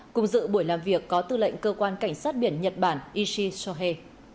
cùng dự buổi làm việc có tư lệnh cơ quan cảnh sát biển nhật bản ishi chohe